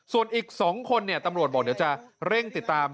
ส่วนอีก๒คนตำรวจบอกเดี๋ยวจะเร่งติดตาม